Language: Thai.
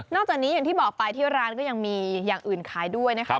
จากนี้อย่างที่บอกไปที่ร้านก็ยังมีอย่างอื่นขายด้วยนะคะ